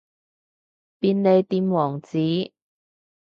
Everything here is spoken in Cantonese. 便利店王子